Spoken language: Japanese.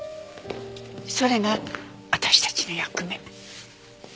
それが私たちの役目。